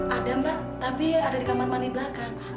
ada mbak tapi ada di kamar kamar di belakang